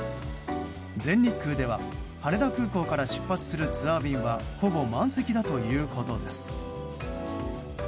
全日空では羽田空港から出発するツアー便はほぼ満席だということです。